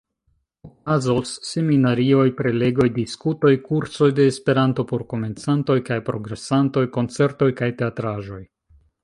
Okazos seminarioj, prelegoj, diskutoj, kursoj de Esperanto por komencantoj kaj progresantoj, koncertoj kaj teatraĵoj.